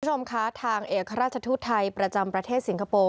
คุณผู้ชมคะทางเอกราชทูตไทยประจำประเทศสิงคโปร์